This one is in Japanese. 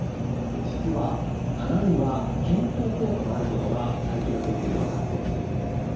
実は花には健康効果があることが最近の研究で分かってきているんです。